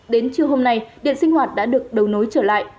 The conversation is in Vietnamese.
đến trưa hôm nay điện sinh hoạt đã được đầu nối trở lại